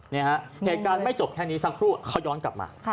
เหตุการณ์ไม่จบแค่นี้สักครู่เขาย้อนกลับมา